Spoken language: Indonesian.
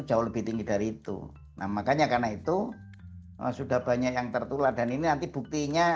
jauh lebih tinggi dari itu nah makanya karena itu sudah banyak yang tertular dan ini nanti buktinya